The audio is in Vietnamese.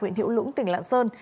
huyện hiễu lũng tỉnh lạng sơn